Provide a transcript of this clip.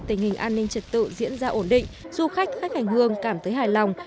tình hình an ninh trật tự diễn ra ổn định du khách khách hành hương cảm thấy hài lòng